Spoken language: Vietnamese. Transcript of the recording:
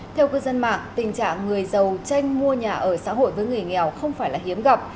theo cư dân mạng tình trạng người giàu tranh mua nhà ở xã hội với người nghèo không phải là hiếm gặp